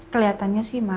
kelihatannya sih marah ya